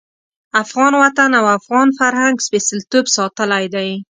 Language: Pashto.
افغان وطن او افغان فرهنګ سپېڅلتوب ساتلی دی.